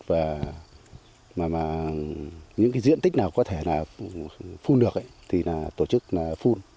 và những diện tích nào có thể phun được thì tổ chức phun